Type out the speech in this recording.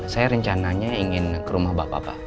saya rencananya ingin ke rumah bapak